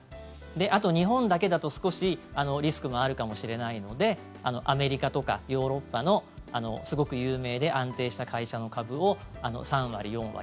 で、あと日本だけだと少しリスクもあるかもしれないのでアメリカとかヨーロッパのすごく有名で安定した会社の株を３割、４割。